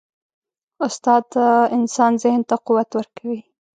استاد د انسان ذهن ته قوت ورکوي.